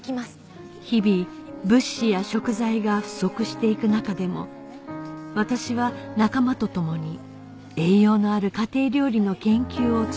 日々物資や食材が不足していく中でも私は仲間と共に栄養のある家庭料理の研究を続けました